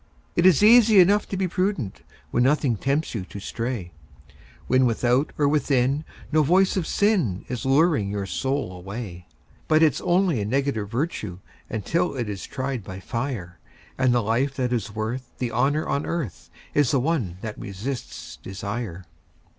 It is easy enough to be prudent When nothing tempts you to stray, When without or within no voice of sin Is luring your soul away; But it's only a negative virtue Until it is tried by fire, And the life that is worth the honour on earth Is the one that resists desire.